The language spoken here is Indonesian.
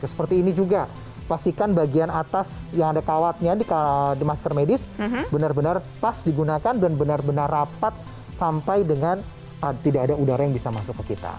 seperti ini juga pastikan bagian atas yang ada kawatnya di masker medis benar benar pas digunakan dan benar benar rapat sampai dengan tidak ada udara yang bisa masuk ke kita